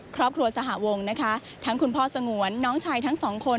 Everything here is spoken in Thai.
ครอบครัวสหวงนะคะทั้งคุณพ่อสงวนน้องชายทั้งสองคน